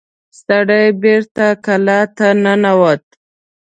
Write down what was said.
سړی بېرته کلا ته ننوت.